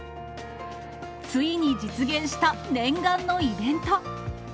ついに実現した念願のイベント。